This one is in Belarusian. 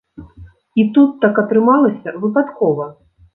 І тут так атрымалася, выпадкова.